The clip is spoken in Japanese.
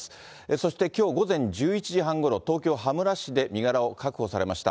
そしてきょう午前１１時半ごろ、東京・羽村市で身柄を確保されました。